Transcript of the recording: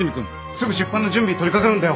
すぐ出版の準備に取りかかるんだよ。